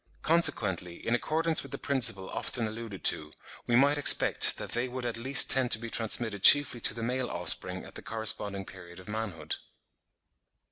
Consequently in accordance with the principle often alluded to, we might expect that they would at least tend to be transmitted chiefly to the male offspring at the corresponding period of manhood.